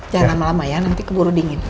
jangan lama lama ya nanti keburu dingin